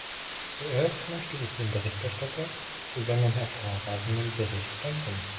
Zuerst möchte ich dem Berichterstatter für seinen hervorragenden Bericht danken.